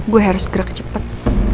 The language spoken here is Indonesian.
gue harus gerak cepet